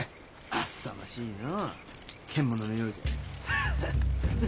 あさましいのう獣のようじゃ。